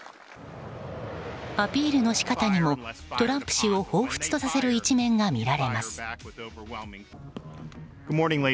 アピールの仕方にもトランプ氏をほうふつとさせる一面が見られます。